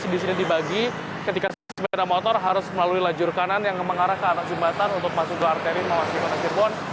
di sini dibagi ketika sepeda motor harus melalui lajur kanan yang mengarah ke arah jembatan untuk masuk ke arteri memasuki kota cirebon